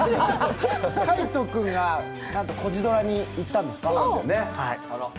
海音君が「コジドライブ」に行ったんですか？